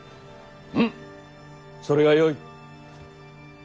うむそれがよい。